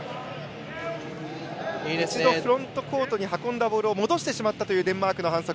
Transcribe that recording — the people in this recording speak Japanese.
一度フロントコートに運んだボールを戻してしまったというデンマークの反則。